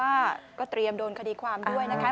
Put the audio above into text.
ว่าก็เตรียมโดนคดีความด้วยนะคะ